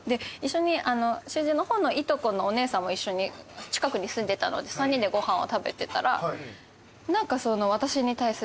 主人の方のいとこのお姉さんも一緒に近くに住んでたので３人でご飯を食べてたら。